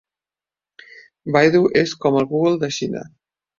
Baidu és com el Google de Xina.